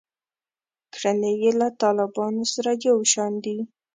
کړنې یې له طالبانو سره یو شان دي.